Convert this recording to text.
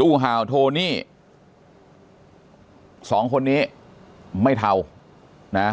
ตู้ห่าวโทนี่๒คนนี้ไม่เทานะ